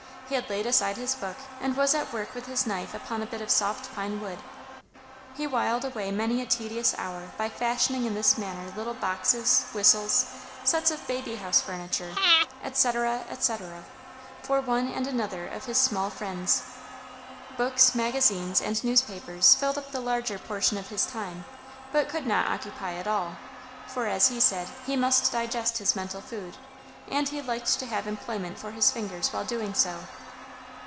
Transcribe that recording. He had laid aside his book, and was at work with his knife upon a bit of soft pine wood. He whiled away many a tedious hour by fashioning in this manner little boxes, whistles, sets of baby house furniture, etc., etc., for one and another of his small friends. Books, magazines, and newspapers filled up the larger portion of his time, but could not occupy it all, for, as he said, he must digest his mental food, and he liked to have employment for his fingers while doing so.